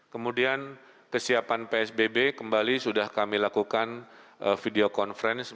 kemudian kesiapan psbb kembali sudah kami lakukan video conference